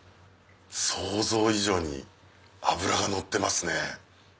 想像以上に脂がのってますね。